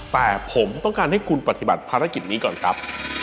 แต่ผมต้องการให้คุณปฏิบัติภารกิจนี้ก่อนครับ